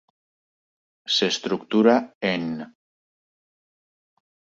S'estructura en: